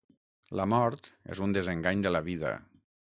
La mort és un desengany de la vida.